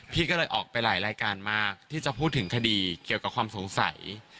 พี่ก็เลยออกไปหลายรายการมากที่จะพูดถึงคดีเกี่ยวกับความสงสัย